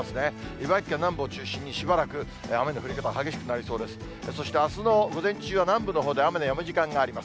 茨城県南部を中心に、しばらく雨の降り方、激しくなりそうです。